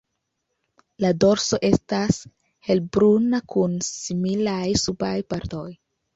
La dorso estas helbruna kun similaj subaj partoj.